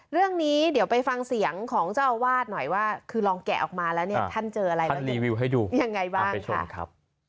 เรื่องนี้เดี๋ยวไปฟังเสียงของเจ้าอาวาสหน่อยว่าคือลองแกะออกมาแล้วเนี่ยท่านเจออะไรแล้วรีวิวให้ดูยังไงบ้างไปชมครับ